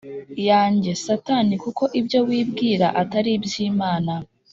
yanjye Satani kuko ibyo wibwira atari iby Imana